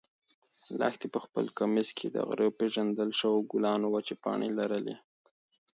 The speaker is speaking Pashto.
لښتې په خپل کمیس کې د غره د پېژندل شوو ګلانو وچې پاڼې لرلې.